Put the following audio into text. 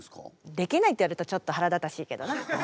できないって言われるとちょっと腹立たしいけどな。